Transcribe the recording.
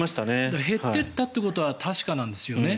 減っていったということは確かなんですよね。